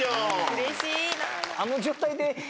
うれしいな。